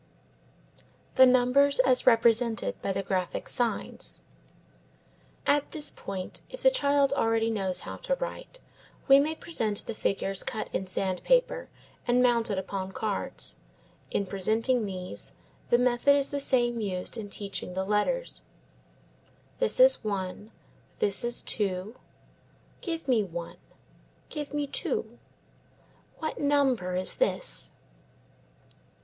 THE NUMBERS AS REPRESENTED BY THE GRAPHIC SIGNS At this point, if the child already knows how to write, we may present the figures cut in sandpaper and mounted upon cards. In presenting these, the method is the same used in teaching the letters. "This is one." "This is two." "Give me one." "Give me two." "What number is this?"